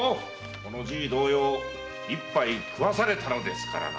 このじい同様一杯食わされたのですからな。